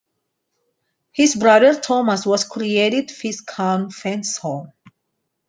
His brother Thomas was created Viscount Fanshawe.